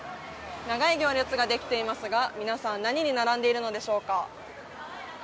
長い行列ができていますが皆さん何に並んでいるのでしょうか。